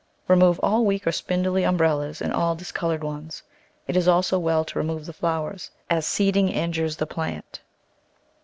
Remove all weak or spindly umbrellas and all discoloured ones; it is also well to remove the flowers, as seeding injures the plant.